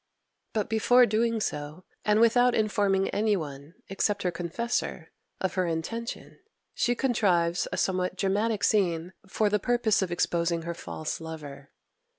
But before doing so, and without informing any one, except her confessor, of her intention, she contrives a somewhat dramatic scene for the purpose of exposing her false lover.